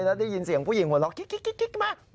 แล้วได้ยินเสียงผู้หญิงหมดแล้วคลิ๊กมา